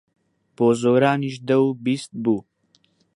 بۆ زۆرانیش دە و بیست بوو.